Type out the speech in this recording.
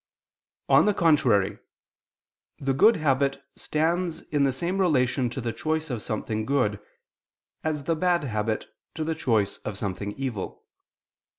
On the contrary, The good habit stands in the same relation to the choice of something good, as the bad habit to the choice of something evil.